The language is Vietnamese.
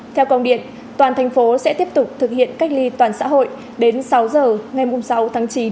theo công điện toàn thành phố sẽ tiếp tục thực hiện cách ly toàn xã hội đến sáu giờ ngày sáu tháng chín